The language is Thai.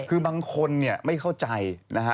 คือบางคนเนี่ยไม่เข้าใจนะฮะ